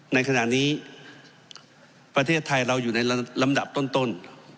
ในขณะนี้ประเทศไทยเราอยู่ในลำดับต้น